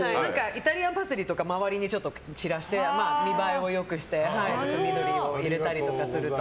イタリアンパセリとかを周りに散らして見栄えを良くして彩りを入れたりすると。